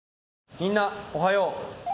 みんなおはよう。